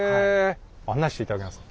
案内して頂けますか？